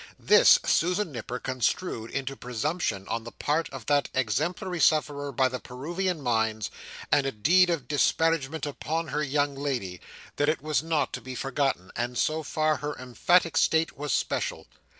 This, Susan Nipper construed into presumption on the part of that exemplary sufferer by the Peruvian mines, and a deed of disparagement upon her young lady, that was not to be forgiven; and so far her emphatic state was special.